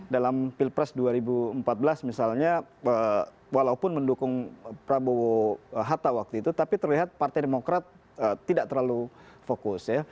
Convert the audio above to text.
dalam pilpres dua ribu empat belas misalnya walaupun mendukung prabowo hatta waktu itu tapi terlihat partai demokrat tidak terlalu fokus ya